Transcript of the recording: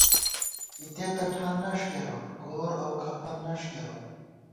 اتے تہ ٹھان نݭ کېرون ، گور اؤ کھپَن نݭ کېرون